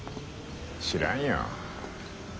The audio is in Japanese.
知らんよ。